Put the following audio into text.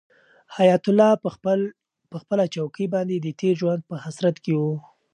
حیات الله په خپله چوکۍ باندې د تېر ژوند په حسرت کې و.